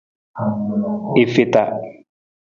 I feta.